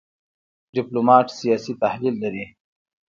ډيپلومات سیاسي تحلیل لري .